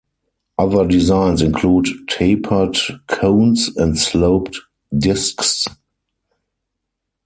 Other designs include tapered cones and sloped disks.